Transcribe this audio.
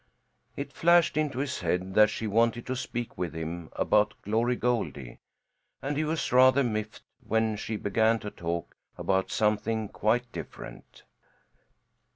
It flashed into his head that she wanted to speak with him about Glory Goldie, and he was rather miffed when she began to talk about something quite different.